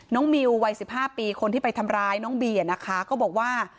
มิววัย๑๕ปีคนที่ไปทำร้ายน้องบีนะคะก็บอกว่า